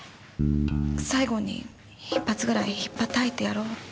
最後に１発ぐらい引っぱたいてやろうって。